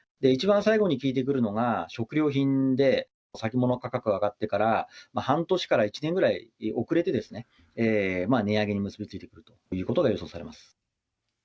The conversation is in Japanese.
一番最後に効いてくるのが、食料品で、先物価格が上がってから、半年から１年ぐらい遅れて、値上げに結び付いてくるということが予想されます。